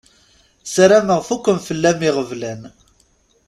Sarameɣ fukken fell-am iɣeblan.